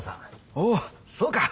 おおそうか。